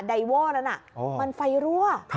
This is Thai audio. ไวโว่นั้นมันไฟรั่ว